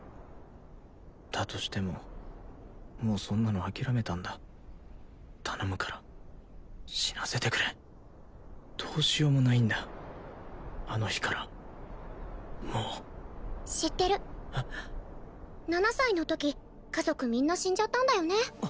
だとしてももうそんなの諦めたんだ頼むから死なせてくれどうしようもないんだあの日からもう知ってる７歳のとき家族みんな死んじゃったんだよね